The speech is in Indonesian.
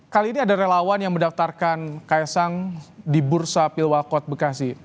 kali ini ada relawan yang mendaftarkan kaisang di bursa pilwakot bekasi